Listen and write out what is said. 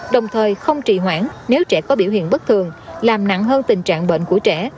đồng thời không trì hoãn nếu trẻ có biểu hiện bất thường làm nặng hơn tình trạng bệnh của trẻ